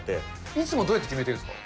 いつもどうやって決めてるん